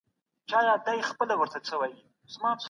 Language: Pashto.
که اقتصاد پیاوړی وي نو غیر اقتصادي شرایط هم ښه کیږي.